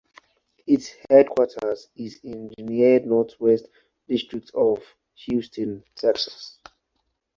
Its headquarters is in the Near Northwest district of Houston, Texas.